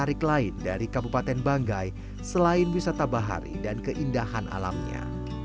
dan ini juga menarik lain dari kabupaten banggai selain wisata bahari dan keindahan alamnya